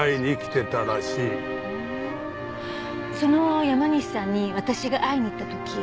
その山西さんに私が会いに行った時。